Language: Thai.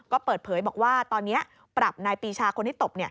ก็เปิดเผยบอกว่าตอนนี้ปรับนายปีชาคนที่ตบ